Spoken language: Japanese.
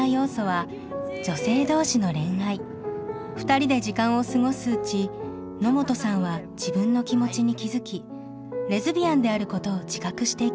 ２人で時間を過ごすうち野本さんは自分の気持ちに気付きレズビアンであることを自覚していきます。